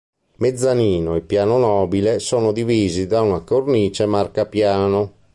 Mezzanino e piano nobile sono divisi da una cornice marcapiano.